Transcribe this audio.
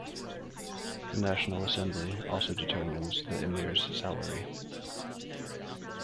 The National Assembly also determines the Emir's salary.